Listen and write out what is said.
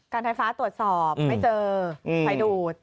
ไฟฟ้าตรวจสอบไม่เจอไฟดูด